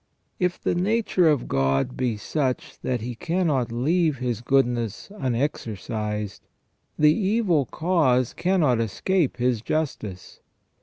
If the nature of God be such that He cannot leave His goodness unexercised, the evil cause cannot escape His justice.